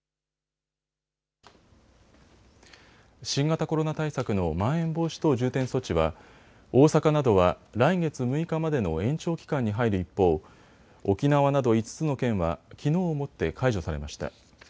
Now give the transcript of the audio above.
新型コロナ対策のまん延防止等重点措置は大阪などは来月６日までの延長期間に入る一方、沖縄など５つの県はきのうをもって解除されました。